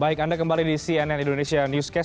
baik anda kembali di cnn indonesia newscast